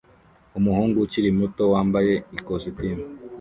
Umuhungu ukiri muto wambaye ikositimu